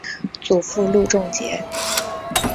祖父路仲节。